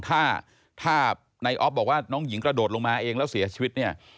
ถ้าถ้าในออฟบอกว่าน้องหญิงกระโดดลงมาเองแล้วเสียชีวิตเนี่ย